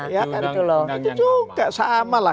itu juga sama lah